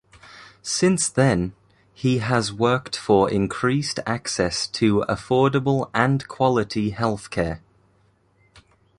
Since then, he has worked for increased access to affordable and quality health care.